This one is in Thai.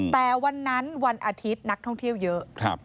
แต่วันนั้นวันอาทิตย์นักท่องเที่ยวเยอะ